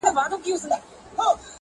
وژني د زمان بادونه ژر شمعي؛؛!